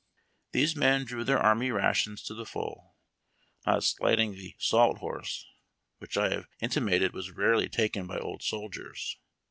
These men drew their army rations to the full, not slight ing the " salt horse," which I have intimated was rarely taken by old soldiers.